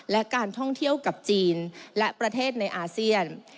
และการท่องเที่ยวกับจีนและประเทศในอาเซียน